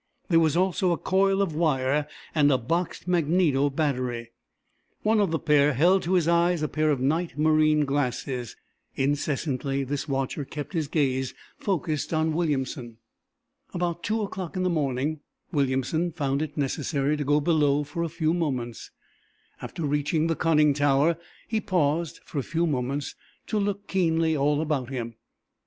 There was also a coil of wire and a boxed magneto battery. One of the pair held to his eyes a pair of night marine glasses. Incessantly this watcher kept his gaze focused on Williamson. About two o'clock in the morning Williamson found it necessary to go below for a few moments. After reaching the conning tower he paused, for a few moments, to look keenly all about him.